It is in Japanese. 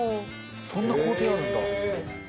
そんな工程あるんだ！